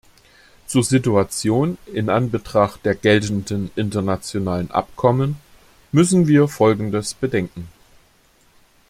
Zur Situation in Anbetracht der geltenden internationalen Abkommen müssen wir folgendes bedenken.